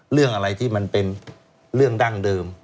เรื่องอะไรที่มันเป็นเรื่องดั้งเดิม